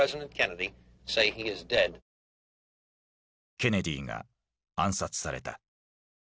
ケネディが暗殺された。